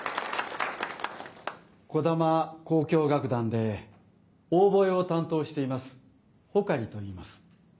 児玉交響楽団でオーボエを担当しています穂刈といいます。